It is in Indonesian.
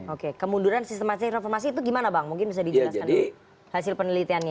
oke kemunduran sistematis reformasi itu gimana bang mungkin bisa dijelaskan dulu hasil penelitiannya